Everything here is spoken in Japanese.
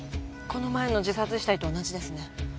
この前の自殺死体と同じですね。